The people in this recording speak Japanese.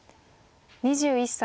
２１歳。